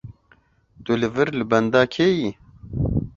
Tu li vir li benda kê yî?